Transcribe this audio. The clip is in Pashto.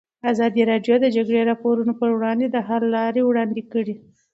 ازادي راډیو د د جګړې راپورونه پر وړاندې د حل لارې وړاندې کړي.